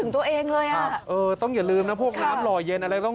เราบริเทียงน้ำที่น้ำมันเครื่อง